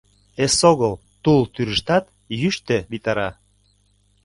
Эсогыл тул тӱрыштат йӱштӧ витара.